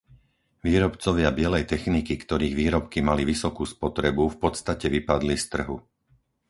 Výrobcovia bielej techniky, ktorých výrobky mali vysokú spotrebu, v podstate vypadli z trhu.